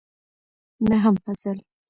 نهم فصل